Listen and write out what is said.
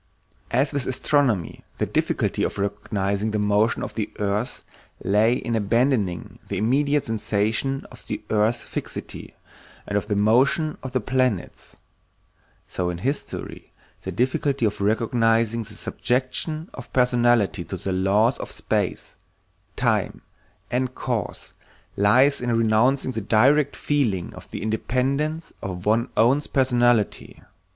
As with astronomy the difficulty of recognizing the motion of the earth lay in abandoning the immediate sensation of the earth's fixity and of the motion of the planets, so in history the difficulty of recognizing the subjection of personality to the laws of space, time, and cause lies in renouncing the direct feeling of the independence of one's own personality.